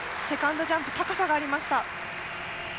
セカンドジャンプ高さがありました。